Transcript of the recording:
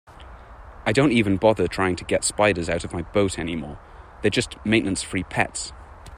I don't even bother trying to get spiders out of my boat anymore, they're just maintenance-free pets.